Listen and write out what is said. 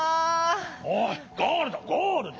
おいゴールドゴールド！